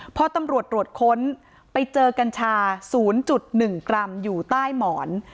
พอตำรวจตรวจค้นไปเจอกัญชา๐๑กรัมอยู่ใต้หมอน